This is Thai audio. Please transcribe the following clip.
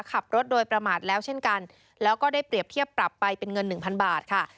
ขับรถโดยประมาทแล้วเช่นกันแล้วก็ได้เปรียบเทียบปรับไปเป็นเงินหนึ่งพันบาทค่ะ